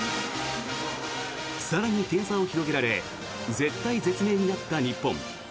更に点差を広げられ絶体絶命になった日本。